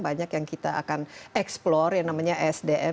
banyak yang kita akan eksplore yang namanya sdm